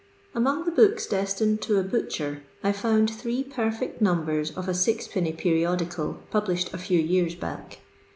Among the books destined to a batcher, I found three perfect immbers of a sixpenny perio dical, published a few years back.